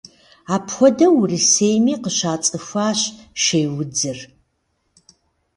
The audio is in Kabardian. Апхуэдэу Урысейми къыщацӏыхуащ шейудзыр.